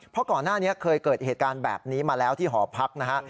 เพราะก่อนหน้านี้เคยเกิดเหตุการณ์แบบนี้มาแล้วที่หอพักนะฮะ